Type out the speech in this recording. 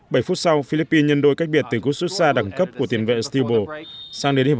bảy phút sau philippines nhân đôi cách biệt từ cốt xuất xa đẳng cấp của tiền vệ stilbo sang đến hiệp hai